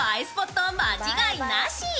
スポット間違いなし。